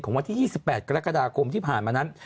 วันที่๒๘กรกฎาคมที่ผ่านมานั้น